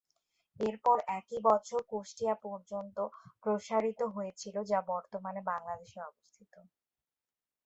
এরপর একই বছরে কুষ্টিয়া পর্যন্ত প্রসারিত হয়েছিল, যা বর্তমানে বাংলাদেশে অবস্থিত।